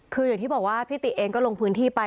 คืออย่างที่บอกว่าพี่ติเองก็ลงพื้นที่ไป